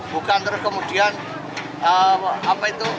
bukan terus kemudian apa itu